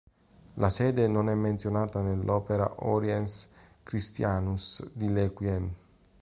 La sede non è menzionata nell'opera "Oriens Christianus" di Lequien.